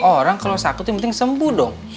orang kalo sakit tuh mending sembuh dong